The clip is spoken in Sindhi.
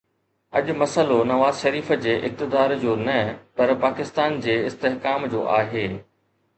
اڄ مسئلو نواز شريف جي اقتدار جو نه پر پاڪستان جي استحڪام جو آهي.